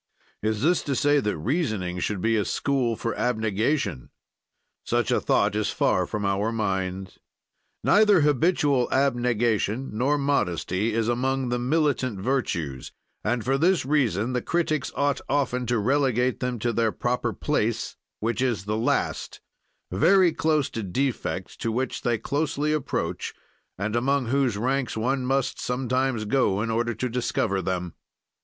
Is this to say that reasoning should be a school for abnegation. Such a thought is far from our minds. Neither habitual abnegation nor modesty is among the militant virtues, and for this reason the critics ought often to relegate them to their proper place, which is the last, very close to defects to which they closely approach and among whose ranks one must sometimes go in order to discover them.